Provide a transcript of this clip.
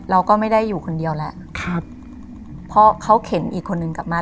เราก็ไม่ได้อยู่คนเดียวแหละครับเพราะเขาเข็นอีกคนนึงกลับมา